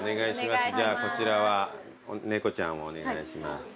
じゃこちらは猫ちゃんをお願いします。